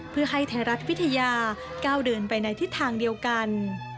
เพื่อให้ไทยรัฐวิทยาก้าวเดินไปในทิศทางเดียวกัน